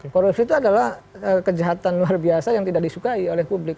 korupsi itu adalah kejahatan luar biasa yang tidak disukai oleh publik